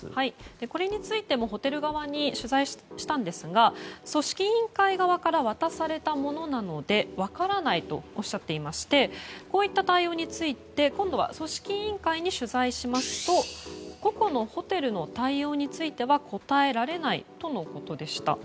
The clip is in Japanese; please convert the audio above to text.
これについてもホテル側に取材したんですが組織委員会側から渡されたものなので分からないとおっしゃっていましてこういった対応について今度は組織委員会に取材しますと個々のホテルの対応については答えられないとのことでした。